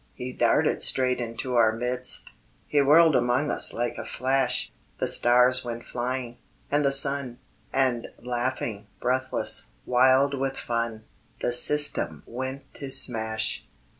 He darted straight into our midst, He whirled among us like a flash, The stars went flying, and the sun, And laughing, breathless, wild with fun, The "system" went to smash.